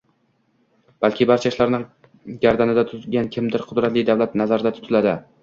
balki barcha ishlarni gardanida tutgan «kimdir» – qudratli davlat nazarda tutiladi.